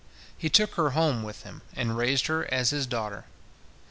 He took her home with him, and raised her as his daughter.